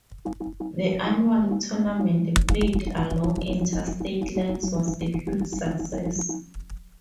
The annual tournament played along inter-state lines was a huge success.